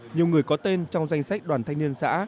nhiều người có tên trong danh sách đoàn thanh niên xã